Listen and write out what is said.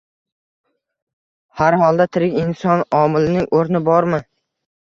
Har holda, tirik inson omilining oʻrni bormi